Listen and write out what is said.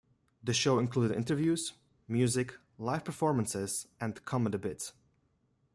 The show included interviews, music, live performances, and comedy bits.